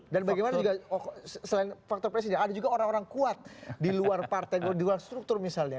dan bagaimana juga selain faktor presiden ada juga orang orang kuat di luar partai di luar struktur misalnya